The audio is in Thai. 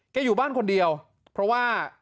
อยู่บ้านคนเดียวเพราะว่า